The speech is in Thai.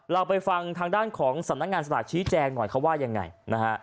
เราไปฟังทางด้านของสำนักงานสลากชี้แจงหน่อยเขาว่ายังไงนะฮะ